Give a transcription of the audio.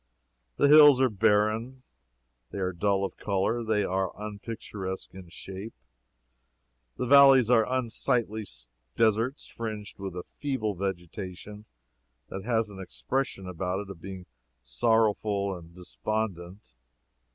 The hills are barren, they are dull of color, they are unpicturesque in shape. The valleys are unsightly deserts fringed with a feeble vegetation that has an expression about it of being sorrowful and despondent.